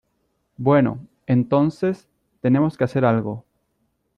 Bueno, entonces , tenemos que hacer algo.